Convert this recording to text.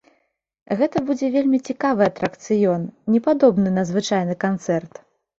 Гэта будзе вельмі цікавы атракцыён, непадобны на звычайны канцэрт!